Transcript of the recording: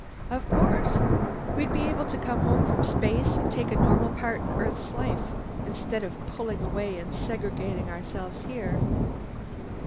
"Of course! We'd be able to come home from space and take a normal part in Earth's life, instead of pulling away and segregating ourselves here."